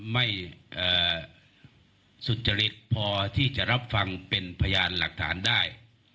ไม่สุจริตพอที่จะรับฟังเป็นพยานหลักฐานได้